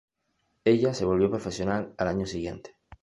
Ella se volvió profesional al año siguiente.